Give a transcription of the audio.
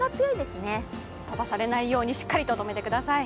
飛ばされないようにしっかりととめてください。